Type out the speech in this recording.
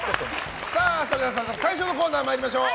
早速最初のコーナー参りましょう。